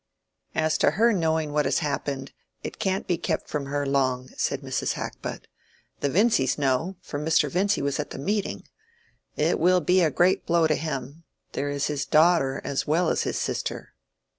"As to her knowing what has happened, it can't be kept from her long," said Mrs. Hackbutt. "The Vincys know, for Mr. Vincy was at the meeting. It will be a great blow to him. There is his daughter as well as his sister."